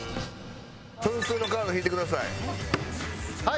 分数のカード引いてください。